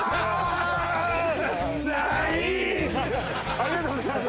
ありがとうございます。